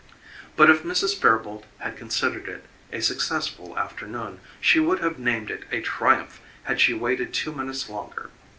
But if Mrs. Fairboalt had considered it a successful afternoon she would have named it a triumph had she waited two minutes longer.